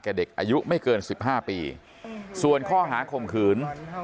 แก่เด็กอายุไม่เกิน๑๕ปีส่วนข้อหาคมขืน